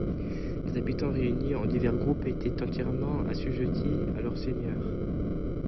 Les habitants réunis en divers groupes étaient entièrement assujettis à leur seigneur.